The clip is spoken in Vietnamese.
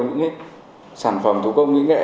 những sản phẩm thủ công nguyên nghệ